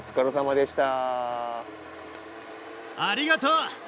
ありがとう！